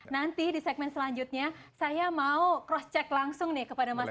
nanti di segmen selanjutnya saya mau cross check langsung nih kepada masyarakat